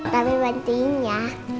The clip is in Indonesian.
tapi bantuin ya